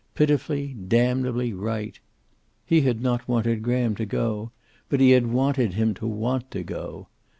Pitifully, damnably right. He had not wanted Graham to go, but he had wanted him to want to go.